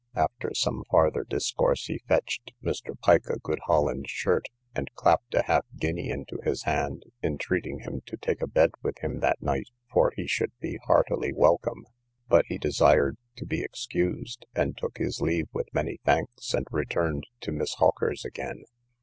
After some farther discourse, he fetched Mr. Pike a good Holland shirt, and clapped a half guinea into his hand, entreating him to take a bed with him that night, for that he should be heartily welcome; but he desired to be excused, and took his leave with many thanks, and returned to Miss Hawker's again.